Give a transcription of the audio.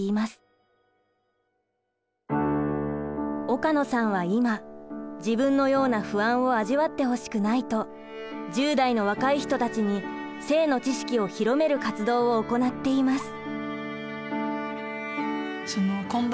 岡野さんは今自分のような不安を味わってほしくないと１０代の若い人たちに性の知識を広める活動を行っています。